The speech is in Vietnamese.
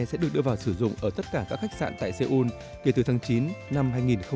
sẽ được đưa vào sử dụng ở tất cả các khách sạn tại seoul kể từ tháng chín năm hai nghìn một mươi chín